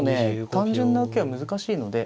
単純な受けは難しいので。